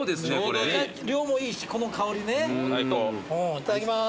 いただきます。